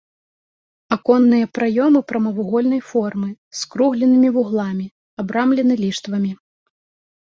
Аконныя праёмы прамавугольнай формы, з скругленымі вугламі, абрамлены ліштвамі.